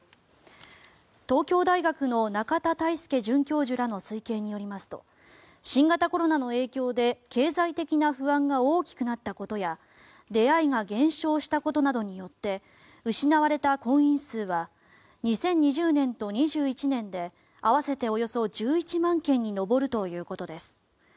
東京大学の仲田泰祐准教授らの推計によりますと新型コロナの影響で経済的な不安が大きくなったことや出会いが減少したことなどによって失われた婚姻数は２０２０年と２１年で合わせておよそ１１万件に上るということです。